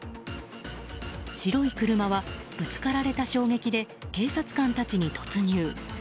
白い車はぶつかられた衝撃で警察官たちに突入。